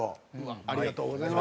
ありがとうございます。